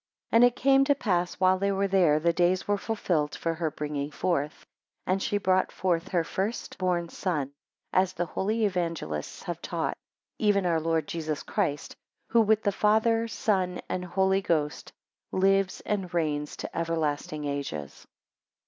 14 And it came to pass, while they were there, the days were fulfilled for her bringing forth. 15 And she brought forth her first born son, as the holy Evangelists have taught, even our Lord Jesus Christ, who with the Father, Son, and Holy Ghost, lives and reigns to everlasting ages.